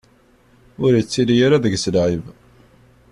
Ur ittili ara deg-s lɛib.